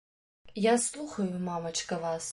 Я слухаю, мамачка, вас.